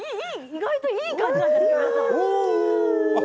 意外といい感じですね。